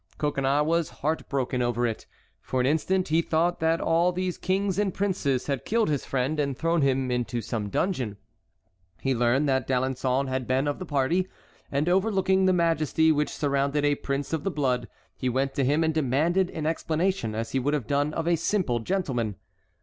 Coconnas was heartbroken over it; for an instant he thought that all these kings and princes had killed his friend and thrown him into some dungeon. He learned that D'Alençon had been of the party; and overlooking the majesty which surrounded a prince of the blood, he went to him and demanded an explanation as he would have done of a simple gentleman.